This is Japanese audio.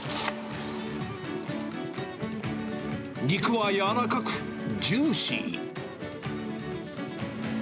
肉は柔らかくジューシー。